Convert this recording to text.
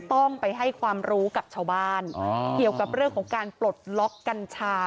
ต้องไปให้ความรู้กับชาวบ้านเกี่ยวกับเรื่องของการปลดล็อกกัญชา